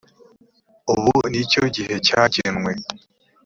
ubu ni cyo gihe cyagenwe